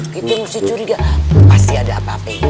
kita mesti curiga pasti ada apa apa